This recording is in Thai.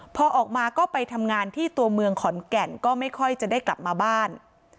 พอออกมาก็ไปทำงานที่ตัวเมืองขอนแก่นก็ไม่ค่อยจะได้กลับมาบ้าน